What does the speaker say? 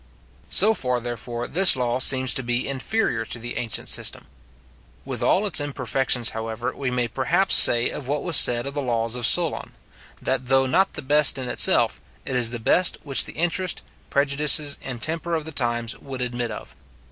So far, therefore, this law seems to be inferior to the ancient system. With all its imperfections, however, we may perhaps say of it what was said of the laws of Solon, that though not the best in itself, it is the best which the interest, prejudices, and temper of the times, would admit of.